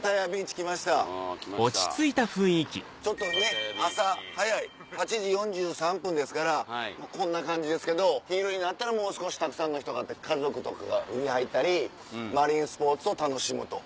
ちょっとねっ朝早い８時４３分ですからこんな感じですけど昼になったらもう少したくさんの人が家族とかが海入ったりマリンスポーツを楽しむと。